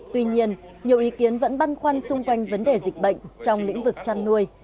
tuy nhiên nhiều ý kiến vẫn băn khoăn xung quanh vấn đề dịch bệnh trong lĩnh vực chăn nuôi